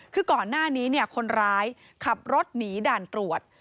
คือก่อนหน้านี้คนร้ายขับรถหนีด่านตรวจ